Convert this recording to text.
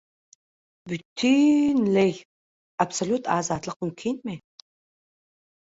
Bütinleý, absolýut azatlyk mümkinmi?